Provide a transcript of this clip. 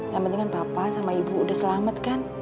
yang penting kan bapak sama ibu udah selamat kan